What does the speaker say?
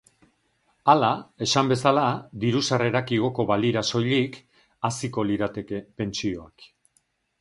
Hala, esan bezala, diru-sarrerak igoko balira soilik, haziko lirateke pentsioak.